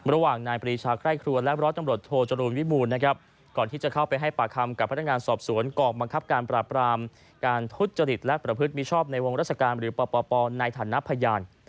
ระหว่างนายปรีชาไคร่ครัวและร้อยตำรวจโทจรูลวิบูรณ์นะครับก่อนที่จะเข้าไปให้ปากคำกับพนักงานสอบสวนกองบังคับการปราบรามการทุจริตและประพฤติมิชอบในวงราชการหรือปปในฐานะพยาน